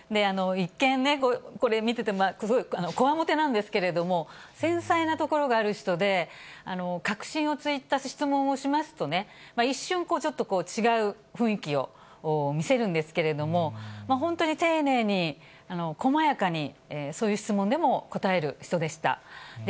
一見、これ見てても、こわもてなんですけれども、繊細なところがある人で、核心をついた質問をしますとね、一瞬、ちょっと違う雰囲気を見せるんですけれども、本当に丁寧に、細やかに、そういう質問でも答える人でした。